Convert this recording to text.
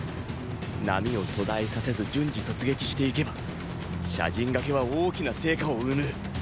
波を途絶えさせず順次突撃していけば斜陣がけは大きな成果を生む。